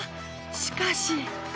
しかし。